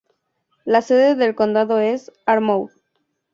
La sede del condado es Armour.